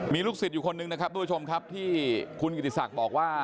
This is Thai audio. มีลูกสินอยู่คนหนึ่งนะครับตูชมครับ